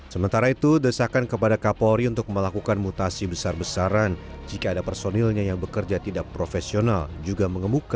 sementara itu desakan kepada kapolri untuk melakukan mutasi besar besaran jika ada personilnya yang bekerja tidak profesional juga mengemuka